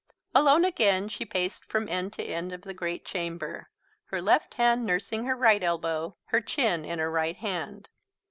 Alone again, she paced from end to end of the great chamber, her left hand nursing her right elbow, her chin in her right hand.